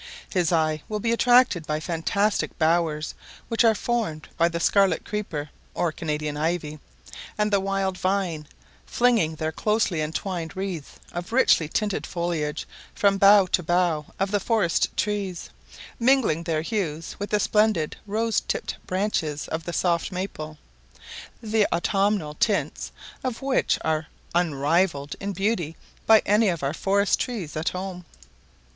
His eye will be attracted by fantastic bowers, which are formed by the scarlet creeper (or Canadian ivy) and the wild vine, flinging their closely entwined wreaths of richly tinted foliage from bough to bough of the forest trees, mingling their hues with the splendid rose tipped branches of the soft maple, the autumnal tints of which are unrivalled in beauty by any of our forest trees at home.